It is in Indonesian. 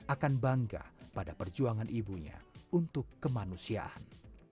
akan bangga pada perjuangan ibunya untuk kemanusiaan